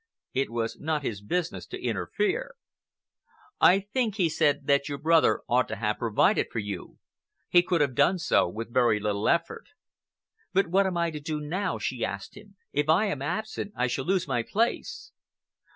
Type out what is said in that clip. It was not his business to interfere. "I think," he said, "that your brother ought to have provided for you. He could have done so with very little effort." "But what am I to do now?" she asked him. "If I am absent, I shall lose my place."